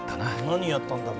何やったんだ？